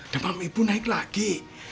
demam ibu naik lagi